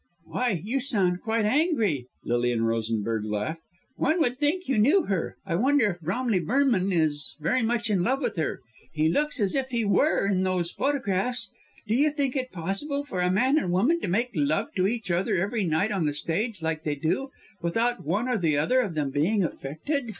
"Why, you sound quite angry," Lilian Rosenberg laughed. "One would think you knew her. I wonder if Bromley Burnham is very much in love with her! He looks as if he were in these photographs! Do you think it possible for a man and woman to make love to each other every night on the stage, like they do, without one or other of them being affected?"